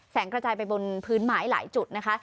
กระจายไปบนพื้นไม้หลายจุดนะคะ